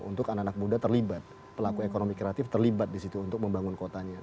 untuk anak anak muda terlibat pelaku ekonomi kreatif terlibat di situ untuk membangun kotanya